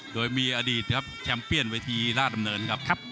โดยมีอดีตครับแชมเปียนวิธีภาคนาศบรรยาสำเนินครับ